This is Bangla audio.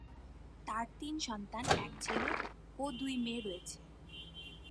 তার তিন সন্তান, এক ছেলে ও দুই মেয়ে রয়েছে।